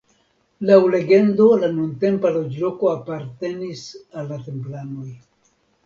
Laŭ legendo la nuntempa loĝloko apartenis al la Templanoj.